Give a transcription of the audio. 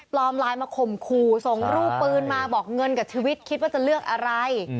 ไลน์มาข่มขู่ส่งรูปปืนมาบอกเงินกับชีวิตคิดว่าจะเลือกอะไร